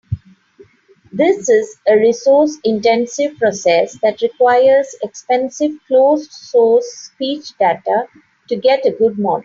This is a resource-intensive process that requires expensive closed-source speech data to get a good model.